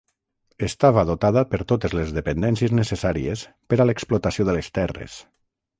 Estava dotada per totes les dependències necessàries per a l'explotació de les terres.